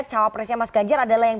cawapresnya mas ganjar adalah yang